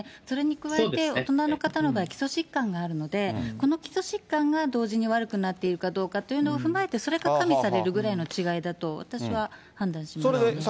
それに加えて、大人の方の場合、基礎疾患があるので、この基礎疾患が、同時に悪くなっているかどうかというのを踏まえて、それが加味されるぐらいの違いだと、私は判断しますね。